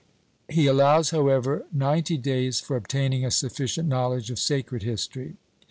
He allows, however, ninety days for obtaining a sufficient knowledge of Sacred History.